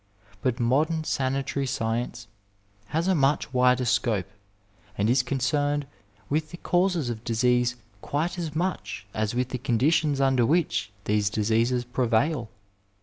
But modem sanitary science has a much wider scope and is concerned with the causes of disease quite as much as with the conditions under which these diseases prevail.